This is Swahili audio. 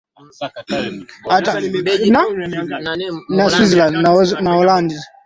Amesema anakuja kesho.